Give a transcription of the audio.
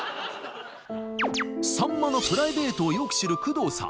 さんまのプライベートをよく知る工藤さん。